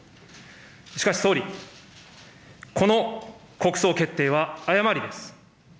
しかし総理、この国葬決定は、誤りです。